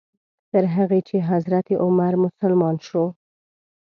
تر هغې چې حضرت عمر مسلمان شو.